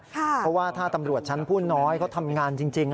เพราะว่าถ้าตำรวจชั้นผู้น้อยเขาทำงานจริง